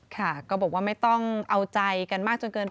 ค่ะก็บอกว่าไม่ต้องเอาใจกันมากจนเกิน